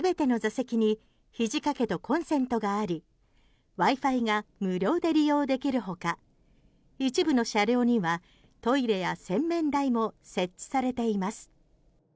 全ての座席にひじ掛けとコンセントがありＷｉ−Ｆｉが無料で利用できるほか一部の車両にはトイレや洗面台も設置されています。